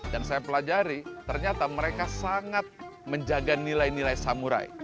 dan saya pelajari ternyata mereka sangat menjaga nilai nilai samurai